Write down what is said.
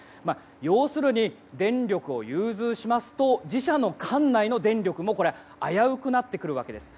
要するに電力を融通しますと自社の管内の電力も危うくなってくるわけです。